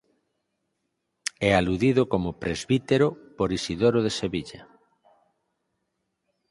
É aludido como presbítero por Isidoro de Sevilla.